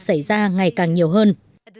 xảy ra ngày càng nhiều hơn